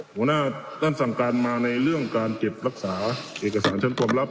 หัวหน้าท่านสั่งการมาในเรื่องการเก็บรักษาเอกสารชั้นความลับ